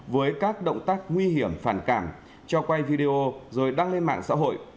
với các động tác nguy hiểm phản cảm cho quay video rồi đăng lên mạng xã hội